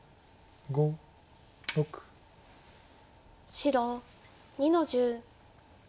白２の十。